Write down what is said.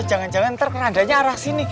jangan jangan ntar adanya arah sini